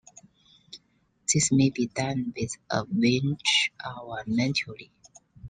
This may be done with a winch, or manually.